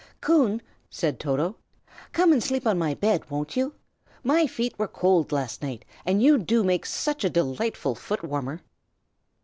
"Coon," said Toto, "come and sleep on my bed, won't you? My feet were cold, last night, and you do make such a delightful foot warmer."